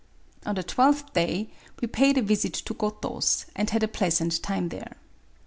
On the twelfth day we paid a visit to Goto's, and had a pleasant time there.